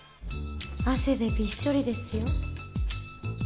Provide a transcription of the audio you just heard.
汗でびっしょりですよ。